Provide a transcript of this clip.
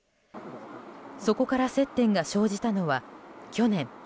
そこから接点が生じたのは去年。